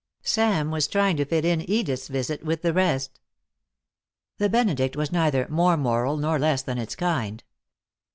Sam was trying to fit in Edith's visit with the rest. The Benedict was neither more moral nor less than its kind.